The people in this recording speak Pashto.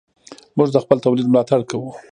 موږ د خپل تولید ملاتړ کوو.